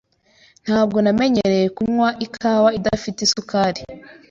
Ntabwo namenyereye kunywa ikawa idafite isukari.